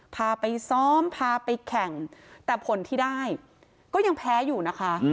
พาไปซ้อมพาไปแข่งแต่ผลที่ได้ก็ยังแพ้อยู่นะคะ